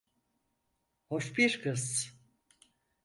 Hoş bir kız.